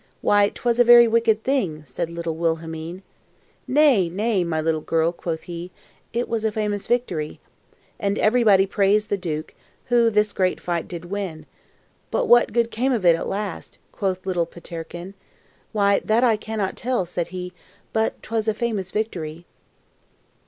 "Why 'twas a very wicked thing!" Said little Wilhelmine. "Nay, nay, my little girl," quoth he, "It was a famous victory. "And everybody praised the Duke Who this great fight did win." "But what good came of it at last?" Quoth little Peterkin. "Why, that I cannot tell," said he, "But 'twas a famous victory."